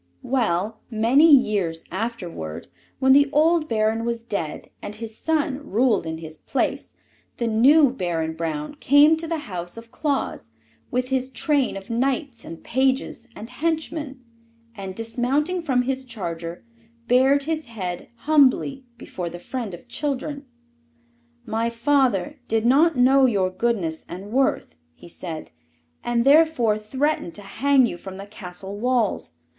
Well, many years afterward, when the old Baron was dead and his son ruled in his place, the new Baron Braun came to the house of Claus with his train of knights and pages and henchmen and, dismounting from his charger, bared his head humbly before the friend of children. "My father did not know your goodness and worth," he said, "and therefore threatened to hang you from the castle walls.